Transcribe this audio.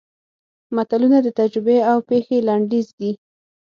متلونه د تجربې او پېښې لنډیز دي